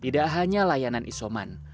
tidak hanya layanan isolasi rumah sakit